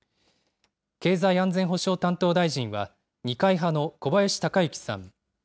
経済安全保障担当大臣は二階派の小林鷹之さん。